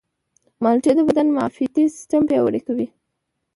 مالټې د بدن معافیتي سیستم پیاوړی کوي.